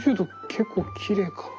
結構きれいかも。